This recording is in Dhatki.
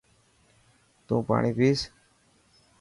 تون پاڻي پئس.